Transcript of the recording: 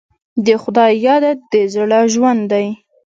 د خدای یاد د زړه ژوند دی.